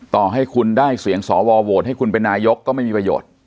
ต่อให้คุณได้เสียงสวโหวตให้คุณเป็นนายกก็ไม่มีประโยชน์